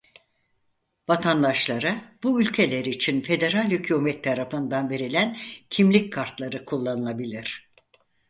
Vatandaşlara bu ülkeler için federal hükûmet tarafından verilen kimlik kartları kullanılabilir.